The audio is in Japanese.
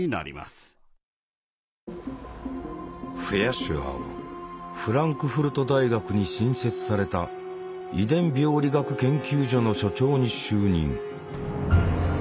シュアーはフランクフルト大学に新設された遺伝病理学研究所の所長に就任。